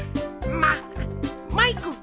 ママイク！